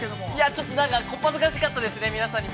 ◆ちょっとなんかこっぱずかしかったですね。